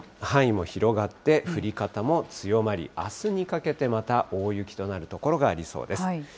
範囲も広がって、降り方も強まり、あすにかけてまた大雪となる所がありそうです。